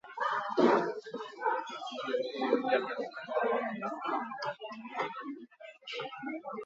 Ordainpeko telebistako kontsumoan joera berriak agerian utzi ditu gorakadak.